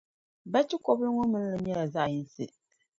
Bachikɔbili ŋɔ mini li nyɛla zaɣʼ yinsi.